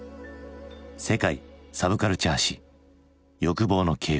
「世界サブカルチャー史欲望の系譜」。